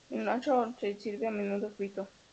En Lanzhou se sirve a menudo frito.